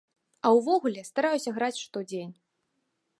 А ўвогуле, стараюся граць штодзень.